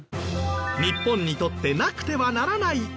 日本にとってなくてはならない外国人労働者。